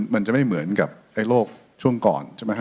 มันจะไม่เหมือนกับโลกช่วงก่อน